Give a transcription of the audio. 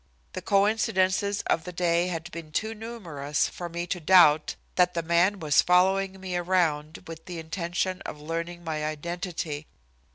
The coincidences of the day had been too numerous for me to doubt that the man was following me around with the intention of learning my identity.